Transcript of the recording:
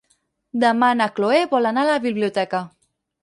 Demà na Cloè vol anar a la biblioteca.